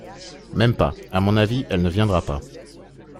Même pas, à mon avis, elle ne viendra pas.